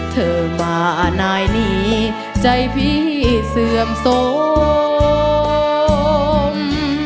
เธอมานายนี้ใจพี่เสื่อมสม